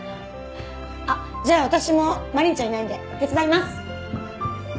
あっじゃあ私もマリンちゃんいないんで手伝います！